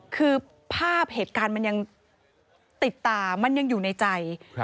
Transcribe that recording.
คือภาพเหตุการณ์มันยังติดตามันยังอยู่ในใจ